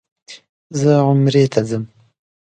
زه عمرې ته ځم.